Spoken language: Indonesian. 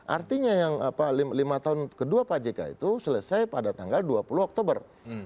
artinya lima tahun kedua pak jk itu selesai pada tanggal dua puluh oktober dua ribu sembilan belas